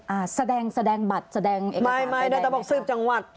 อ่าแสดงแสดงบัตรแสดงเองไม่ไม่ได้แต่บอกสืบจังหวัด